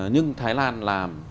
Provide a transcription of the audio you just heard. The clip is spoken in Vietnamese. nhưng thái lan làm